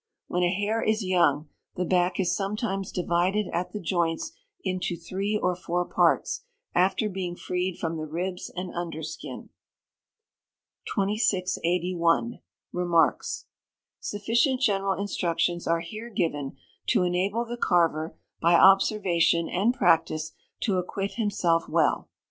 When a hare is young, the back is sometimes divided at the joints into three or four parts, after being freed from the ribs and under skin. 2681. Remarks. Sufficient general instructions are here given to enable the carver, by observation and practice, to acquit himself well.